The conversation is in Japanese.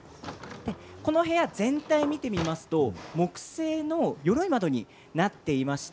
この部屋全体を見てみますと木製のよろい窓になっています。